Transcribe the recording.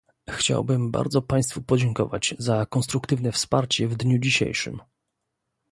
Chciałbym bardzo Państwu podziękować za konstruktywne wsparcie w dniu dzisiejszym